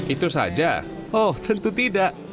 itu saja oh tentu tidak